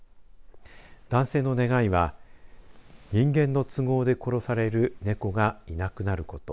男性の願いは人間の都合で殺される猫がいなくなること。